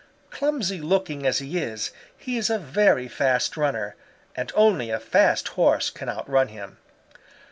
Clumsy looking as he is, he is a very fast runner, and only a fast Horse can outrun him.